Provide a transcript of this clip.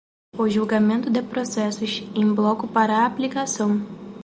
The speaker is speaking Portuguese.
o julgamento de processos em bloco para aplicação